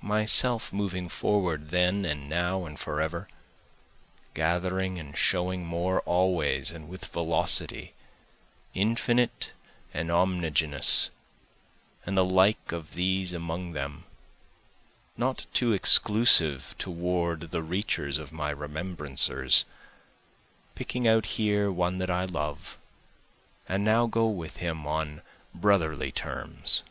Myself moving forward then and now and forever, Gathering and showing more always and with velocity, Infinite and omnigenous, and the like of these among them, Not too exclusive toward the reachers of my remembrancers, Picking out here one that I love, and now go with him on brotherly terms.